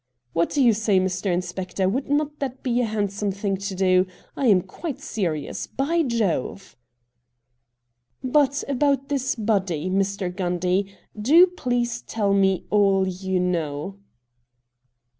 What do you say, Mr. Inspector — would not that be a handsome thing to do ? 1 am quite serious, by Jove !'' But about this body, Mr. Gundy — do please tell me all you know.'